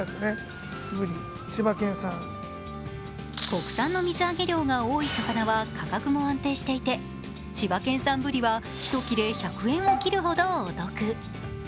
国産の水揚げ量が多い魚は価格も安定していて千葉県産ブリは１切れ１００円を切るほどお得。